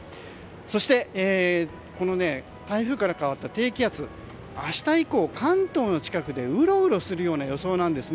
そして、台風から変わった低気圧明日以降、関東の近くでうろうろするような予想です。